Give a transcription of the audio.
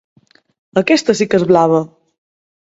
Aquesta sí que és blava!